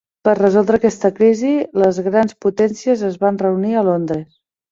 Per resoldre aquesta crisi, les grans potències es van reunir a Londres.